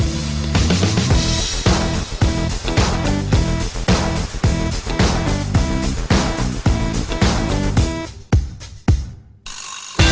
เป็นสุขภาพอย่างเดียวเลย